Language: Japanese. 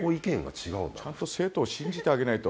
ちゃんと生徒を信じてあげないと。